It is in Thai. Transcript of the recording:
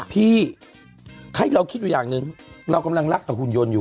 พี่ให้เราคิดอย่างนึงเรากำลังรักกับหุ่นโยนอยู่อ่ะ